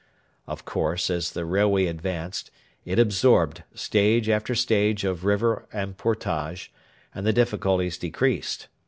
Of course, as the railway advanced, it absorbed stage after stage of river and portage, and the difficulties decreased.